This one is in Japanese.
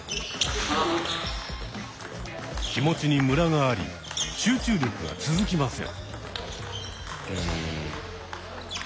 気持ちにムラがあり集中力が続きません。